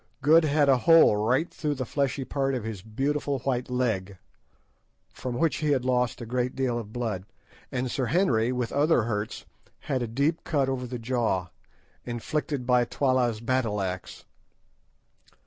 Good had a hole right through the fleshy part of his "beautiful white leg," from which he had lost a great deal of blood; and Sir Henry, with other hurts, had a deep cut over the jaw, inflicted by Twala's battle axe.